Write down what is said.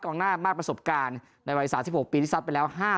กลางหน้ามากประสบการณ์ในวัน๓๖ปีที่ทรัพย์เป็นแล้ว